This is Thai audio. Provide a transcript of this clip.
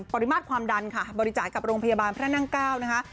ปริมาตรความดันค่ะบริจาคกับโรงพยาบาลพระนั่งเก้านะคะ